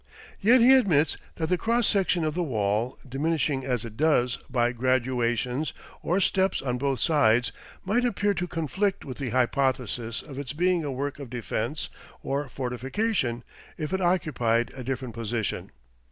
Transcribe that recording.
Yet he admits that the cross section of the wall, diminishing as it does "by graduations or steps on both sides," "might appear to conflict with the hypothesis of its being a work of defense or fortification" if it occupied "a different position."